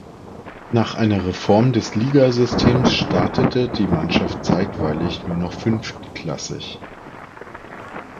Nach einer Reform des Ligasystems startete die Mannschaft zeitweilig nur noch fünftklassig.